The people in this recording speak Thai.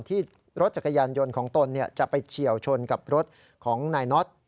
ที่รถจักรยานยนต์ของตนจะไปเฉียวชนกับรถของนายน็อต